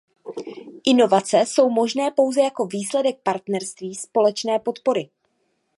Inovace jsou možné pouze jako výsledek partnerství, společné podpory.